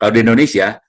kalau di indonesia